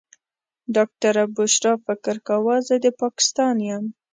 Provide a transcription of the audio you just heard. ډاکټره بشرا فکر کاوه زه د پاکستان یم.